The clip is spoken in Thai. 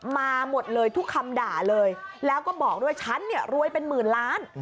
มาหมดเลยทุกคำด่าเลยแล้วก็บอกด้วยฉันเนี่ยรวยเป็นหมื่นล้าน